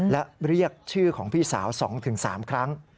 และเรียกชื่อของพี่สาว๒๓ครั้ง